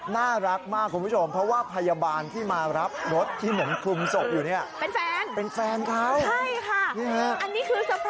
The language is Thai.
น่ารักมากคุณผู้ชมเพราะว่าพยาบาลที่มารับรถที่หมดคุมศพอยู่เนี่ยเป็นแฟนเป็นแฟนค่ะใช่ค่ะอันนี้คือ